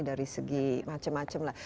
dari segi macam macam lah